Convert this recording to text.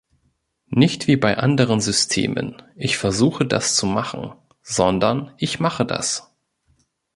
Nicht, wie bei anderen Systemen, „ich versuche das zu machen“, sondern „ich mache das“.